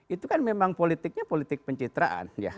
itu kan memang politiknya politik pencitraan